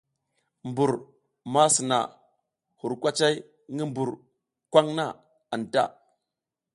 Mbur ma sina hur kwacay ngi mbur kwaŋ na anta.